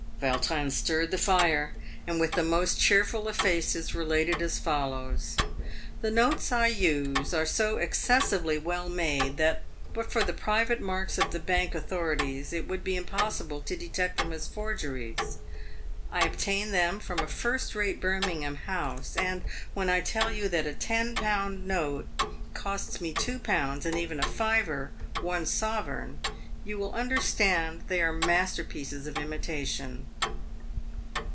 Vautrin stirred the fire, and with the most cheerful of faces related as follows: "The notes I use are so excessively well made, that but for the private marks of the Bank authorities it would be impos sible to detect them as forgeries. I obtain them from a first rate Birmingham house, and when I tell you that a ten pound note costs me two pounds, and even a fiver, one sovereign, you will understand they are masterpieces of imitation."